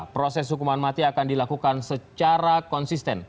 proses hukuman mati akan dilakukan secara konsisten